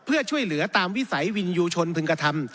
เพื่อช่วยเหลือตามวิสัยวินยูชนพึงกระทำ